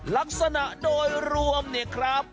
ลักษณะโดยรวมเนี่ยครับ